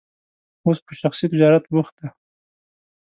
اوس په شخصي تجارت بوخت دی.